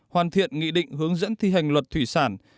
hoàn thiện nghị định hướng dẫn thi hành luật thủy sản